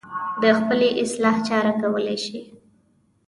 د خپلې اصلاح چاره کولی شي.